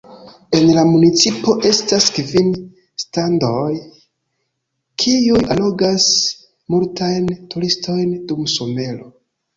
En la municipo estas kvin strandoj, kiuj allogas multajn turistojn dum somero.